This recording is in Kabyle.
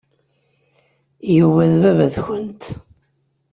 Yuba d baba-tkent.